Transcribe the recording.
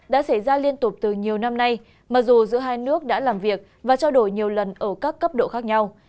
đã xảy ra liên tục từ nhiều năm nay mặc dù giữa hai nước đã làm việc và trao đổi nhiều lần ở các cấp độ khác nhau